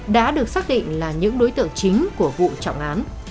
đã được xác định là những đối tượng chính của vụ trọng án